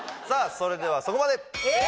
それではそこまでえ！？